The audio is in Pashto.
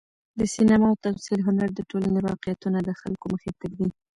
د سینما او تمثیل هنر د ټولنې واقعیتونه د خلکو مخې ته ږدي.